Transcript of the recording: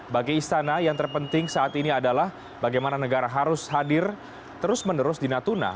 bagi istana yang terpenting saat ini adalah bagaimana negara harus hadir terus menerus di natuna